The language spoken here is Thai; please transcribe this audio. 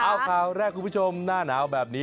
เอาข่าวแรกคุณผู้ชมหน้าหนาวแบบนี้